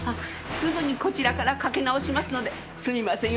すぐにこちらからかけ直しますのですみません